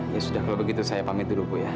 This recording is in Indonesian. ya sudah kalau begitu saya pamit dulu ya